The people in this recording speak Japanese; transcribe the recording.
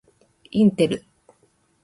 インテル